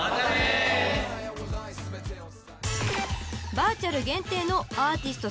［バーチャル限定のアーティスト